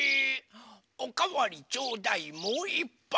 「おかわりちょうだいもういっぱい！」